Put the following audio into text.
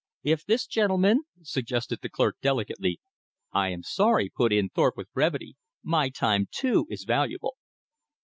"If this gentleman ?" suggested the clerk delicately. "I am sorry," put in Thorpe with brevity, "my time, too, is valuable."